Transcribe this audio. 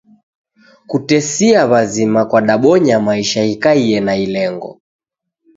Kutesia w'azima kwadabonya maisha ghikaiye na ilengo.